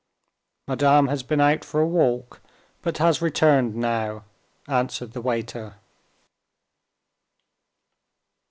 "Madame has been out for a walk but has returned now," answered the waiter.